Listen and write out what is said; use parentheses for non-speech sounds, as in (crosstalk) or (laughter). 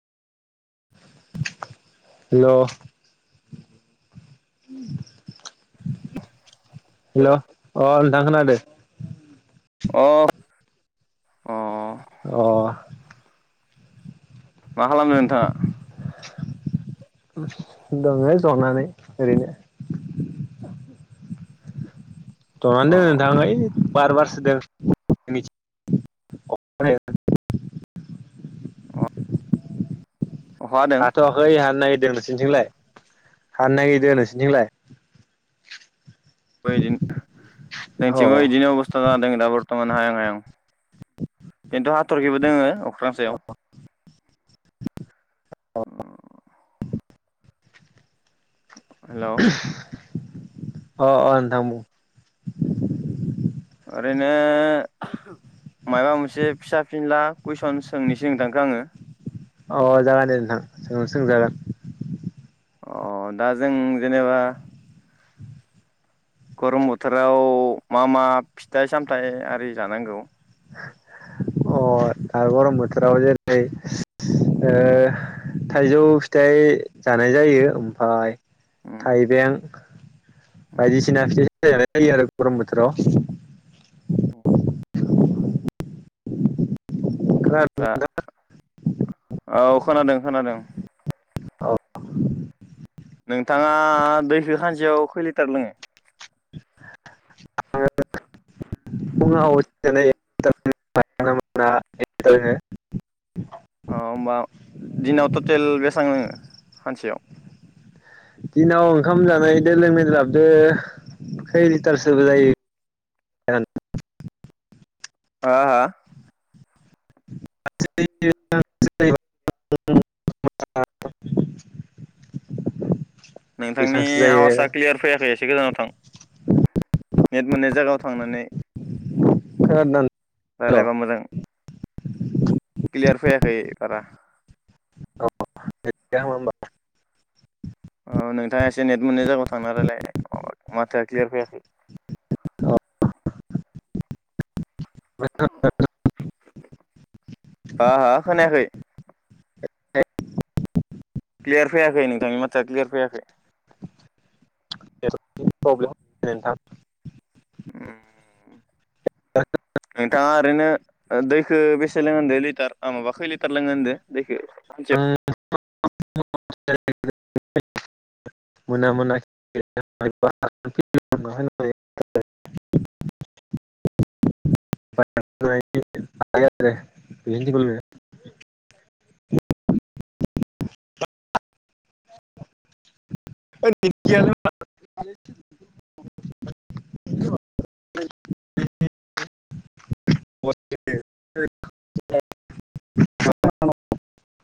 Hello hello अ नोंथां खोनादो अ अ अ मा खालामदों नोंथाङा? दंनै जनानै ओरैनो अ जनानै दोङो नोंथां ओइ बार बारसो (unintelligible) अ हाथआखै हानो नागि दों नोंसोरनिथिंलाय हानो नागिरदों नोंसोरनिथिंलाय? (unintelligible) अ जोंथिंबो इदिनो अबस्था जादों दा बर्थमान हायहां हायहां खिन्थु हा हाथरखिबो दोङो अख्रां सायाव अ हेलौ (unintelligible) अ अ नोंथां बुं ओरैनो मायबा मोनसे फिसा फिनला कुइसन सोंनिसै नोंथांखो आङो अ जागोन दे नोंथां सोंजागोन। अ दा जों जेनेबा गरम बोथोराव मा मा फिथाइ सामथाय आरि जानांगौ? अ दा गरम बोथोराव जेरै ओ थाइजौ फिथाइ जानाय जायो ओमफाय उम थाइबें बायदिसि फिथाइ (inaudible) गरम बोथोराव। (inaudible) (inaudible) दा औ खोनादों खोनादों। (inaudible) नोंथाङा दैखो खानसेयाव खोय लिटार लोङो? (inaudible) फुङाव (inaudible) ओ होमबा दिनाव टटेल बेसेबां लोङो सानसेयाव? दिनाव ओंखाम जानायजों लोंनायदो जाबदो खै लिटारसोबो जायो (inaudible) हा हा? (inaudible) नोंथांनि बेसांसो जायो आवाजआ क्लियार फैयाखै एसे गोजानाव था (unintelligible) (inaudible) नेेट मोननाय जायगायाव थांनानै। खोनादोंना राय्लायबा मोजां क्लियार फैयाखै। खै बारा। (inaudible) अ नोंथाङा एसे नेट मोननाय जायगायाव थांना रायलाय अ माथोआ क्लियार फैयाखै। (inaudible) हा हा खोनायाखै क्लियार फैयाखै नोंथांनि माथोआ क्लियार फैयाखै। नेटनि प्र्लेमलै नोंथां। उम नोंथाङा ओरैनो ओ दै खो बेसे लोंङो होनदो लिटार अ माबा खै लिटार लोङो होनदों दैखो? आं (inaudible) मोना मोना (inaudible) (inaudible)